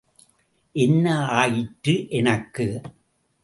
என்ன ஆயிற்று எனக்கு?